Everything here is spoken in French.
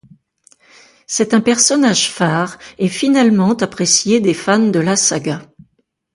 C'est un personnage phare et finalement apprécié des fans de la saga.